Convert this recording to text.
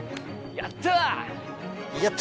やった！